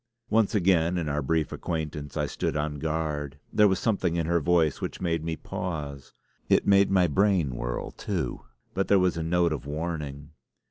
Once again in our brief acquaintance I stood on guard. There was something in her voice which made me pause. It made my brain whirl, too, but there was a note of warning.